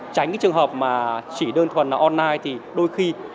tránh cái trường hợp mà chỉ đơn thuần là online thì đôi khi